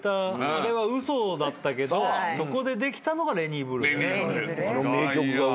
あれは嘘だったけどそこでできたのが『レイニーブルー』あの名曲。